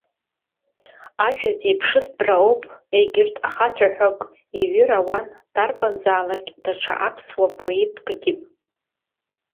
Ажәа зеиԥшыстәра ауп, егьырҭ ахцәаҳәак иҩыр ауан дарбанзаалак даҽа аԥсыуа поеткгьы.